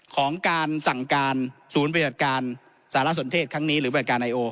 ของการสั่งการศูนย์ปฏิบัติการสารสนเทศครั้งนี้หรือบริการไอโอ